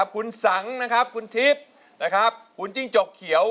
คุณสังคุณทิพย์คุณจิ้งจกเขียว